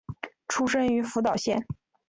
出身于福岛县。